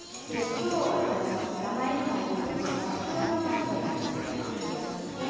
今日名前にもあるように和風のマリネを作っていきますね。